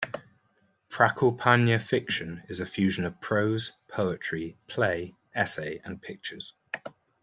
Prakalpana fiction is a fusion of prose, poetry, play, essay, and pictures.